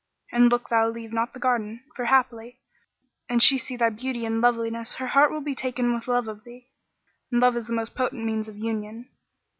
And look thou leave not the garden, for haply, an she see thy beauty and Loveliness, her heart will be taken with love of thee, and love is the most potent means of union."